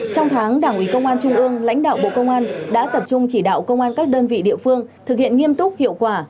trong tháng đảng ủy công an trung ương lãnh đạo bộ công an đã tập trung chỉ đạo công an các đơn vị địa phương thực hiện nghiêm túc hiệu quả